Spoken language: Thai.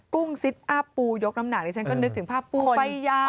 กุ้งซิดอ้าปูยกน้ำหนักนิดนึกถึงภาพปูภรรยา